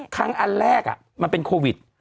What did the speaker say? ครั้งอันแรกมันเป็นโควิด